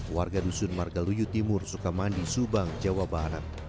warga dusun margaluyutimur sukamandi subang jawa barat